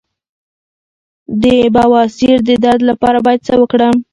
د بواسیر د درد لپاره باید څه وکړم؟